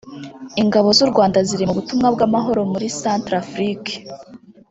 Ingabo z’u Rwanda ziri mu butumwa bw’amahoro muri Centrafrique